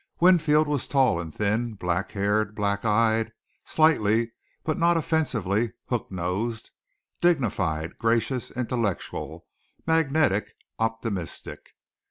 Winfield was tall and thin, black haired, black eyed, slightly but not offensively hook nosed, dignified, gracious, intellectual, magnetic, optimistic.